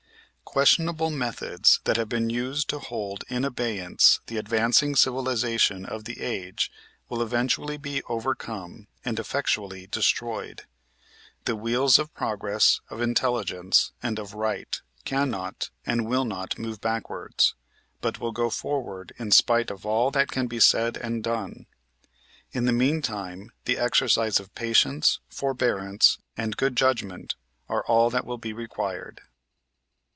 Questionable methods that have been used to hold in abeyance the advancing civilization of the age will eventually be overcome and effectually destroyed. The wheels of progress, of intelligence, and of right cannot and will not move backwards, but will go forward in spite of all that can be said and done. In the mean time the exercise of patience, forbearance, and good judgment are all that will be required.